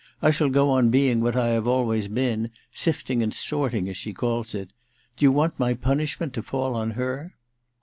I shall go on being what I have always been —> sifting and sorting, as she calls it. Do you want my punishment to fall on her